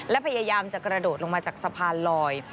และพยายามจะกระโดดลงมาจากสะพานลอย